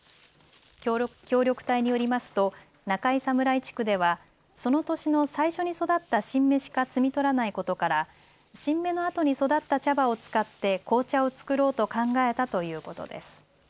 協力隊によりますと中井侍地区ではその年の最初に育った新芽しか摘み取らないことから新芽のあとに育った茶葉を使って紅茶を作ろうと考えたということです。